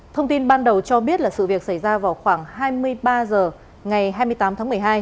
thông tin ban đầu cho biết là sự việc xảy ra vào khoảng hai mươi ba h ngày hai mươi tám tháng một mươi hai